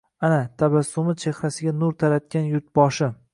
Ana, tabassumi chehrasiga nur taratgan yurtboshi.